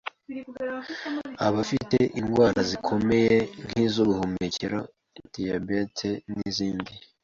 abafite indwara zikomeye nk’iz’ubuhumekero, diabete n’izindi